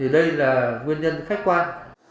đây là nguyên nhân khách quan